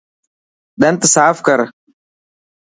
ڏنت ساف ڪر.